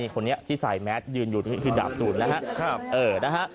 คนนี้ที่ใส่แมสยืนอยู่นี่คือดาบตูดนะฮะ